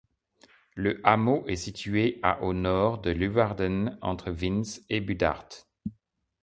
Le hameau est situé à au nord de Leeuwarden, entre Wyns et Burdaard.